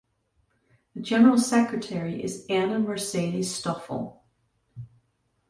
The general secretary is Ana Mercedes Stoffel.